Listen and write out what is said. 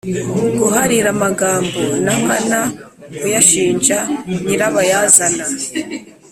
" guharira magambo nankana = kuyashinja nyirabayazana."